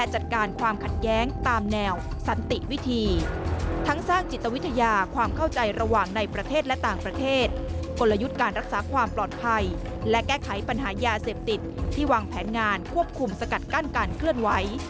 หายาเสพติดที่ว่างแผนงานควบคุมสกัดกั้นการเคลื่อนไว้